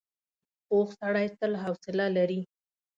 پوخ سړی تل حوصله لري